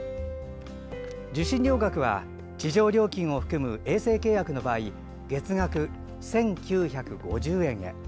受信料額は地上料金を含む衛星契約の場合月額１９５０円へ。